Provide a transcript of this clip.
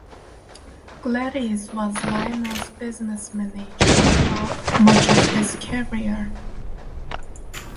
Gladys was Lionel's business manager throughout much of his career.